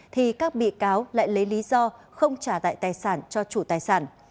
thì các bị cáo lại lấy lý do không trả lại tài sản cho chủ tài sản